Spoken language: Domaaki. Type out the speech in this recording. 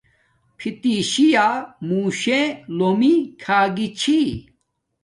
فتشی یا موشے لومی کھاگی چھی